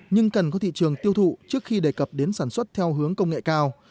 nhưng cần có thị trường tiêu thụ trước khi đề cập đến sản xuất theo hướng công nghệ cao